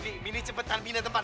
mini mini cepetan pindah tempat